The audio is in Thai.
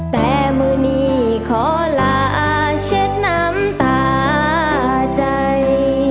แต่มือนี้ขอลาเช็ดน้ำตาใจ